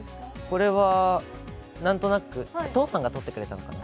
これはなんとなく、お父さんが撮ってくれたのかな？